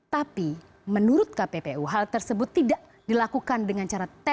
tapi menurut kppu hal tersebut tidak dilakukan dengan cara teknis